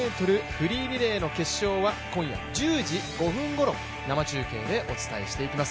フリーリレーの決勝は今夜１０時５分ごろ生中継でお伝えしていきます。